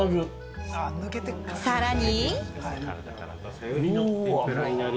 さらに。